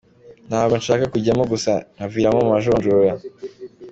Ntabwo nshaka kujyamo gusa nkaviramo mu majonjora.